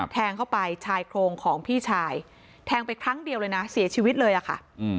แทงเข้าไปชายโครงของพี่ชายแทงไปครั้งเดียวเลยนะเสียชีวิตเลยอะค่ะ